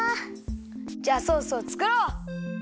じゃあソースをつくろう！